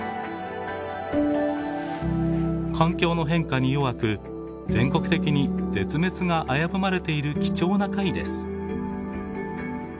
環境の変化に弱く全国的に絶滅が危ぶまれている貴重な貝です。